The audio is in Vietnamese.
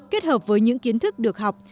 kết hợp với những kiến thức được học